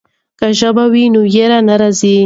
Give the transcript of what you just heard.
که ژبه وي ویره نه راځي.